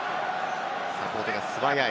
サポートが素早い。